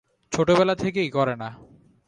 ছোটবেলা থেকেই করে না।